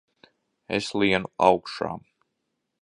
Es lienu augšā!